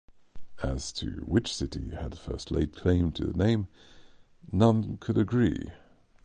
As to which city had first laid claim to the name, none could agree.